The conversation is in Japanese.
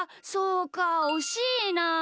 そうかおしいな。